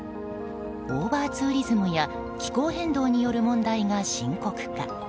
オーバーツーリズムや気候変動による問題が深刻化。